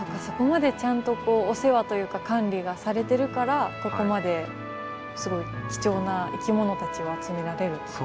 そこまでちゃんとこうお世話というか管理がされてるからここまですごい貴重な生き物たちを集められるってことですね。